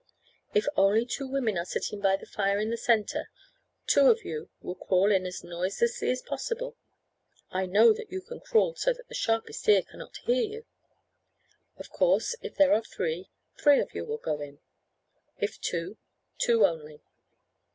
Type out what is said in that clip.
If only two women are sitting by the fire in the centre, two of you will crawl in as noiselessly as possible. I know that you can crawl so that the sharpest ear cannot hear you. Of course, if there are three, three of you will go in; if two, two only.